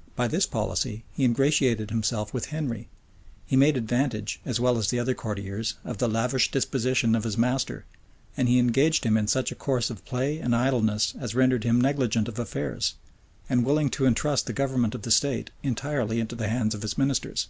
[] By this policy, he ingratiated himself with Henry; he made advantage, as well as the other courtiers, of the lavish disposition of his master; and he engaged him in such a course of play and idleness as rendered him negligent of affairs, and willing to intrust the government of the state entirely into the hands of his ministers.